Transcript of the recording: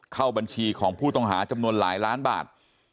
เข้าบัญชีของผู้ต้องหาจำนวนหลายล้านบาท